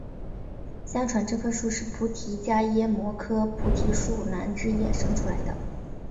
相传这棵树是菩提伽耶摩诃菩提树南枝衍生出来的。